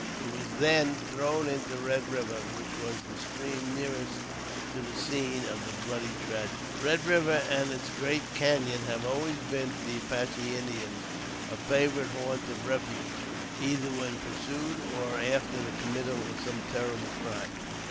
It was then thrown into Red River, which was the stream nearest to the scene of the bloody tragedy. Red River and its great cañon has always been to the Apache Indians a favorite haunt of refuge, either when pursued, or after the committal of some terrible crime.